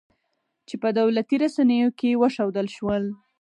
چې په دولتي رسنیو کې وښودل شول